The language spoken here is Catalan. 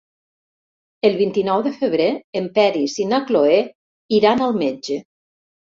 El vint-i-nou de febrer en Peris i na Cloè iran al metge.